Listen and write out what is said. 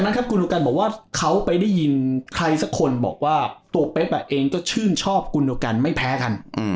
อเรนนี่ว่าคุณโกนบ่วนว่าเขาไปได้ยินใครสักคนบอกว่าตัวเพศอ่ะเองก็ชื่นชอบคุณโกนไม่แพ้ครั้น